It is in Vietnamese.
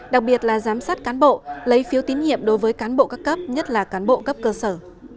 đặc biệt là giám sát cán bộ lấy phiếu tín nhiệm đối với cán bộ các cấp nhất là cán bộ cấp cơ sở